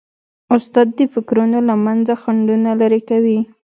استاد د فکرونو له منځه خنډونه لیري کوي.